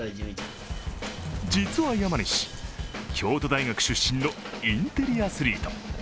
実は山西、京都大学出身のインテリアスリート。